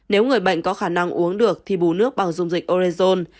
nếu người bệnh có khả năng uống được thì bù nước bằng dung dịch orezon